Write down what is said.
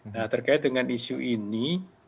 nah terkait dengan isu ini